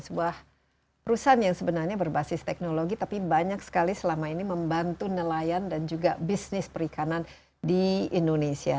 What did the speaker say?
sebuah perusahaan yang sebenarnya berbasis teknologi tapi banyak sekali selama ini membantu nelayan dan juga bisnis perikanan di indonesia